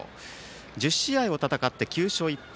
１０試合を戦って９勝１敗。